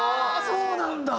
そうなんだ。